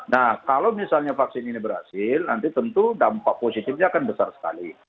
nah kalau misalnya vaksin ini berhasil nanti tentu dampak positifnya akan besar sekali